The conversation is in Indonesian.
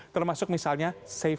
termasuk misalnya seif